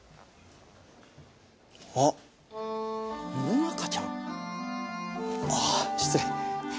あっ萌奈佳ちゃん？ああ失礼。